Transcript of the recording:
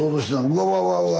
うわうわうわうわ！